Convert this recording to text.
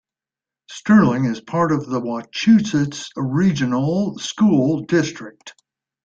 Sterling is part of the Wachusett Regional School District.